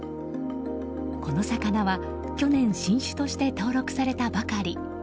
この魚は去年新種として登録されたばかり。